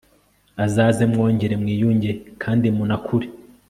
azaze mwongere mwiyunge kandi munakure